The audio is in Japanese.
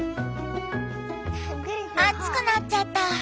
熱くなっちゃった。